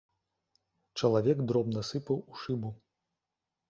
Чалавек дробна сыпаў у шыбу.